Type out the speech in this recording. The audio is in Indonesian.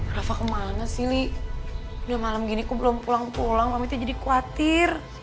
rafa kemana sih li udah malam gini kok belum pulang pulang omit jadi khawatir